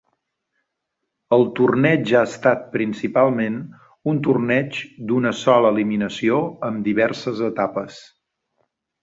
El torneig ha estat principalment un torneig d'una sola eliminació amb diverses etapes.